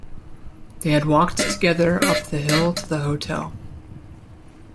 They had walked together up the hill to the hotel.